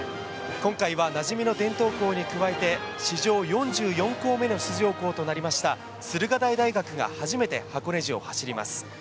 今回はなじみの伝統校に加えて史上４４校目の出場校となりました駿河台大学が初めて箱根路を走ります。